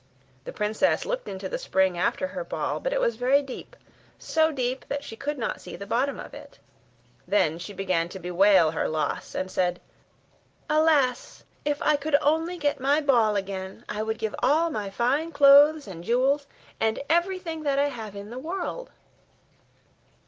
The princess looked into the spring after her ball, but it was very deep, so deep that she could not see the bottom of it. Then she began to bewail her loss, and said, 'Alas! if I could only get my ball again, I would give all my fine clothes and jewels, and everything that I have in the world.